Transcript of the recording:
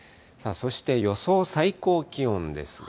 そして予想最高気温ですが。